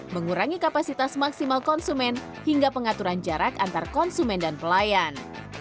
mengurangi kapasitas maksimal konsumen hingga pengaturan jarak antar konsumen dan pelayan